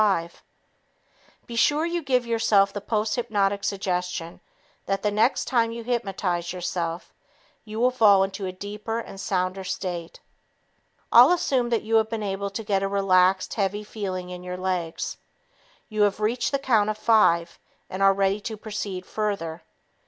5. Be sure you give yourself the posthypnotic suggestion that the next time you hypnotize yourself, you will fall into a deeper and sounder state. I'll assume that you have been able to get a relaxed, heavy feeling in your legs. You have reached the count of five and are ready to proceed further.